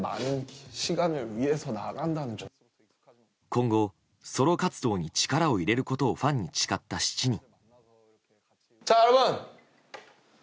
今後、ソロ活動に力を入れることをファンに誓った７人。